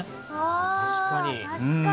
あ確かに。